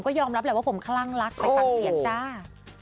ก็รองรับแหละว่าผมคลั่งลักษณ์ในฟังเกียรติจ้า